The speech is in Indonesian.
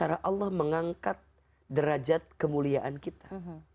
cara allah mengangkat derajat kemuliaan kita